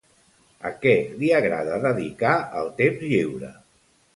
A què li agrada dedicar el temps lliure?